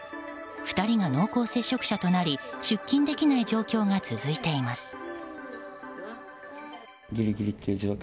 ２人が濃厚接触者となり出勤できない状況が続いています。